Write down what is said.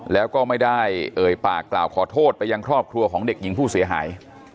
แล้วก็ไม่ได้เอ่ยปากกล่าวขอโทษไปยังครอบครัวของเด็กหญิงผู้เสียหาย